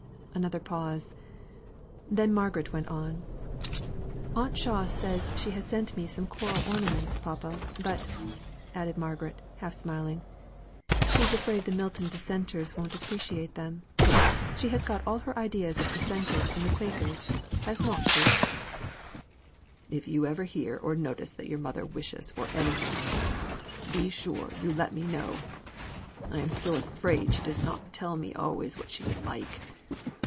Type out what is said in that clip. Another pause. Then Margaret went on: "Aunt Shaw says she has sent me some coral ornaments, papa: but," added Margaret, half smiling, "she's afraid the Milton dissenters won't appreciate them. She has got all her ideas of Dissenters from the Quakers, has she not?" "If ever you hear or notice that your mother wishes for anything, be sure you let me know. I am so afraid she does not tell me always what she would like.